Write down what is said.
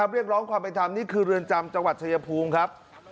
เรียกร้องความเป็นธรรมนี่คือเรือนจำจังหวัดชายภูมิครับ